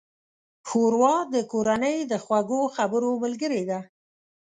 ښوروا د کورنۍ د خوږو خبرو ملګرې ده.